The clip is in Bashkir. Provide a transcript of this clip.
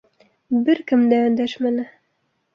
Бер кем дә өндәшмәне.